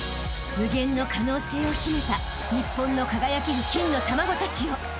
［無限の可能性を秘めた日本の輝ける金の卵たちよ］